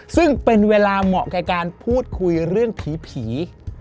ซึ่งเป็นเวลาเหมาะกับการพูดคุยเรื่องผี